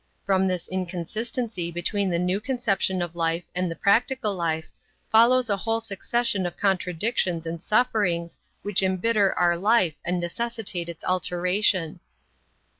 From this inconsistency between the new conception of life and practical life follows a whole succession of contradictions and sufferings which embitter our life and necessitate its alteration.